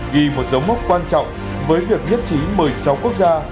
ghi một dấu mốc quan trọng với việc nhất trí một mươi sáu quốc gia